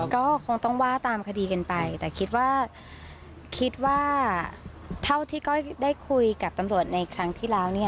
ก็คงต้องว่าตามคดีกันไปแต่คิดว่าคิดว่าเท่าที่ก้อยได้คุยกับตำรวจในครั้งที่แล้ว